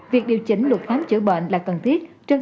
việc điều chỉnh luật khám chữa bệnh là cần thiết